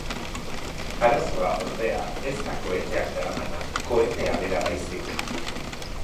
Arazoa, ordea, ez da koheteak daramana, kohetea bera baizik.